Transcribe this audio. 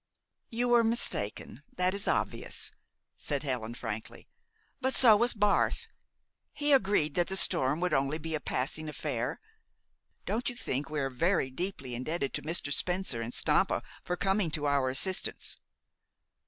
"You were mistaken that is obvious," said Helen frankly. "But so was Barth. He agreed that the storm would be only a passing affair. Don't you think we are very deeply indebted to Mr. Spencer and Stampa for coming to our assistance?"